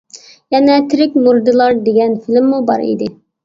يەنە تىرىك مۇردىلار دېگەن فىلىممۇ بار ئىدى.